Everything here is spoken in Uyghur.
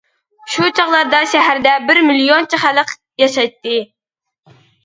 شۇ چاغلاردا شەھەردە بىر مىليونچە خەلق ياشايتتى.